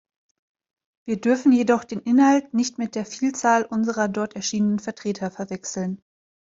Wir dürfen jedoch den Inhalt nicht mit der Vielzahl unserer dort erschienenen Vertreter verwechseln.